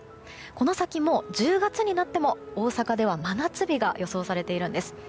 この先、１０月になっても大阪では真夏日が予想されているんです。